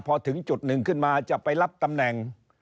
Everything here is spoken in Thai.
พอถึงจุดหนึ่งขึ้นมาจะไปรับตำแหน่ง